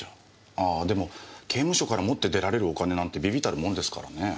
ああでも刑務所から持って出られるお金なんて微々たるもんですからねぇ。